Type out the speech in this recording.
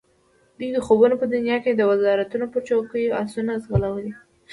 دوی د خوبونو په دنیا کې د وزارتونو پر چوکیو آسونه ځغلولي.